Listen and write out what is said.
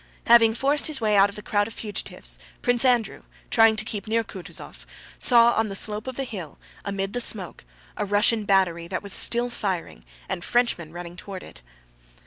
Having forced his way out of the crowd of fugitives, Prince Andrew, trying to keep near Kutúzov, saw on the slope of the hill amid the smoke a Russian battery that was still firing and Frenchmen running toward it.